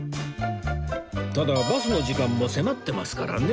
ただバスの時間も迫ってますからね